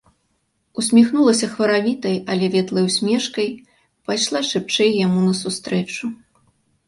Усміхнулася хваравітай, але ветлай усмешкай, пайшла шыбчэй яму насустрэчу.